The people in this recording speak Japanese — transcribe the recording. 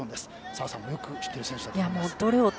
澤さんもよく知っている選手だと思いますが。